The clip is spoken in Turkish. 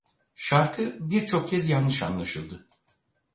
Şarkı birçok kez yanlış anlaşıldı.